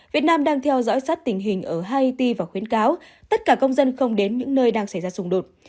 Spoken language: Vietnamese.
việt nam đang theo dõi sát tình hình ở haihity và khuyến cáo tất cả công dân không đến những nơi đang xảy ra xung đột